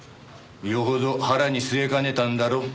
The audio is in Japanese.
よほど腹に据えかねたんだろう。